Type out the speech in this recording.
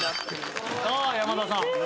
さあ山田さん。